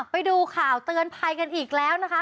ไปดูข่าวเตือนภัยกันอีกแล้วนะคะ